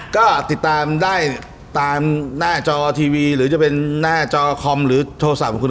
ก็ติดตามได้ตามหน้าจอทีวีหรือจะเป็นหน้าจอคอมหรือโทรศัพท์ของคุณ